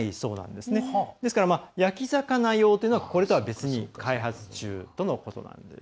ですから、焼き魚用っていうのはこれとは別に開発中とのことです。